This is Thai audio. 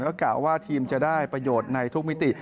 ก็กะว่าทีมจะได้ประโยชน์ในทุกมิติ